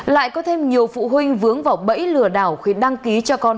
lại có thêm nhiều phụ huynh vướng vào bẫy lừa đảo khi đăng ký cho con